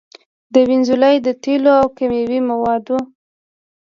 د وينزويلا د تېلو او کيمياوي موادو